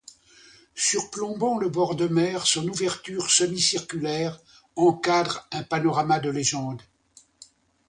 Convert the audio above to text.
Surplombant le bord de mer, son ouverture semi-circulaire encadre un panorama de légende.